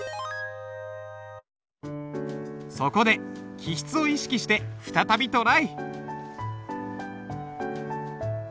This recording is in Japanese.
そこで起筆を意識して再びトライ！